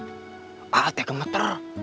a'ah teh kemeter